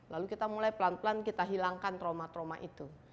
lalu kita mulai pelan pelan kita hilangkan trauma trauma itu